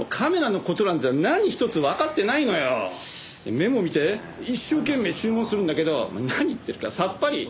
メモ見て一生懸命注文するんだけど何言ってるかさっぱり。